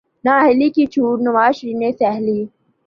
نااہلی کی چوٹ نواز شریف نے سہہ لی۔